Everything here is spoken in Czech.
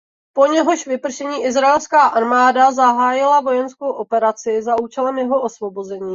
Po jehož vypršení izraelská armáda zahájila vojenskou operaci za účelem jeho osvobození.